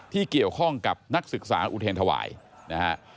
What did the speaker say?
ที่เกี่ยวข้องกับนักศึกษาอุเทรนธวายนะฮะ